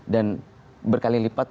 dan berkali lipat